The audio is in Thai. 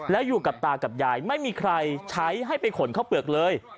แล้วอยู่กับตากับยายไม่มีใครใช้ให้ไปขนข้าวเปลือกเลย